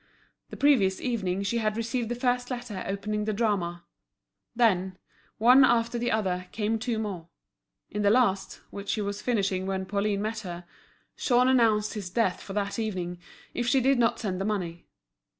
The previous evening she had received the first letter opening the drama; then, one after the other, came two more; in the last, which she was finishing when Pauline met her, Jean announced his death for that evening, if she did not send the money.